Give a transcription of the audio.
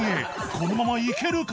このままいけるか？